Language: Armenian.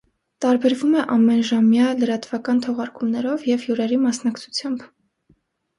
Տարբերվում է ամենժամյա լրատվական թողարկումներով և հյուրերի մասնակցությամբ։